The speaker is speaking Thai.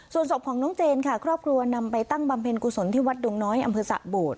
ส่วนศพของน้องเจนค่ะครอบครัวนำไปตั้งบำเพ็ญกุศลที่วัดดงน้อยอำเภอสะโบด